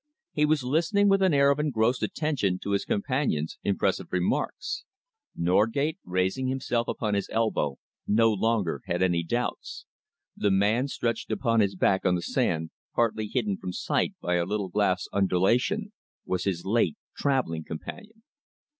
He was listening with an air of engrossed attention to his companion's impressive remarks. Norgate, raising himself upon his elbow, no longer had any doubts. The man stretched upon his back on the sand, partly hidden from sight by a little grass grown undulation, was his late travelling companion.